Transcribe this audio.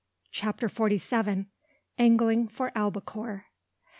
CHAPTER FORTY SEVEN. ANGLING FOR ALBACORE.